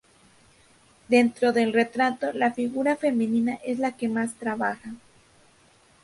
Dentro del retrato la figura femenina es la que más trabaja.